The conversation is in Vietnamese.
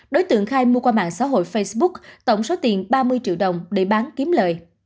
đối tượng khai mua qua mạng xã hội facebook tổng số tiền ba mươi triệu đồng để bán kiếm lời